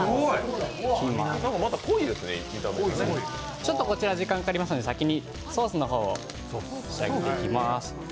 ちょとこちら時間がかかりますので、ソースの方を作っていきます。